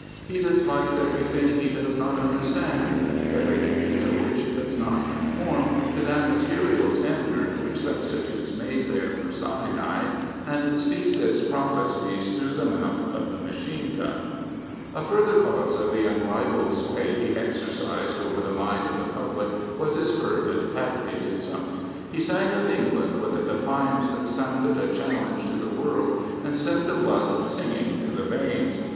He dislikes every thing he does not understand, everything which does not conform to that material standard which sub stitutes Mayfair for Sinai and speaks its prophecies through the mouth of the machine gun. 33S Rudyard Kipling A fxirther cause of the unrivalled sway he exercised over the mind of the public was his fervid patriotism. He sang of England with a defiance that sounded a challenge to the world and sent the blood singing through the veins.